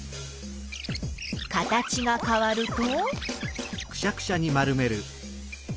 形がかわると？